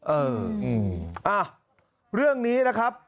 เออเรื่องนี้นะครับ